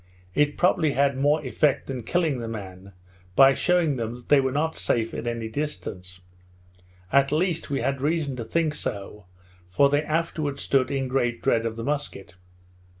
It probably had more effect than killing the man, by shewing them that they were not safe at any distance; at least we had reason to think so, for they afterwards stood in great dread of the musket.